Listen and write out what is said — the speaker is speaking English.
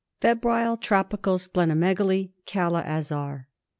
Febrile Tropical Spleno megaly (Kala Azar).